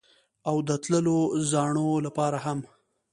او د تللو زاڼو لپاره هم